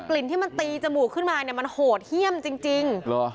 ลิ่นที่มันตีจมูกขึ้นมาเนี่ยมันโหดเยี่ยมจริงเหรอ